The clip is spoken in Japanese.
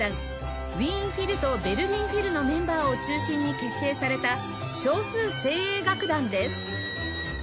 ウィーン・フィルとベルリン・フィルのメンバーを中心に結成された少数精鋭楽団です